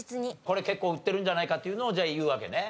これ結構売ってるんじゃないかっていうのをじゃあ言うわけね。